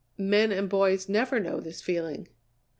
Men and boys never know this feeling."